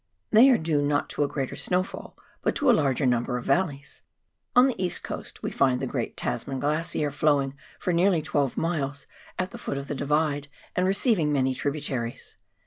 They are due, not to a greater snowfall, but to a larger number of valleys. On the East Coast we find the Great Tasman Glacier flowing for nearly twelve miles at the foot of the Divide, and receiving many tributaries.